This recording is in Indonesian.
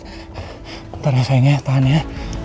ntar ya sayang ya tahan ya